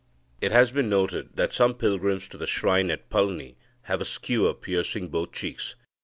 It has been noted (p. 138) that some pilgrims to the shrine at Palni have a skewer piercing both cheeks.